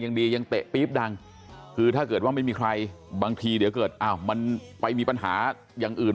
ยังดียังเตะปี๊บดังคือถ้าเกิดว่าไม่มีใครบางทีเดี๋ยวเกิดอ้าวมันไปมีปัญหาอย่างอื่น